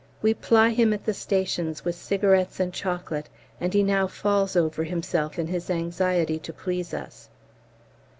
We ply him at the stations with cigarettes and chocolate, and he now falls over himself in his anxiety to please us.